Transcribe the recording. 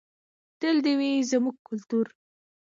تل دې وي زموږ کلتور.